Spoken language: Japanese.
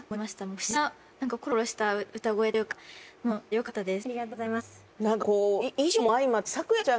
不思議なコロコロした歌声というかよかったです。